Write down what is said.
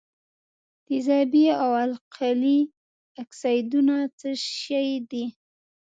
تیزابي او القلي اکسایدونه څه شی دي؟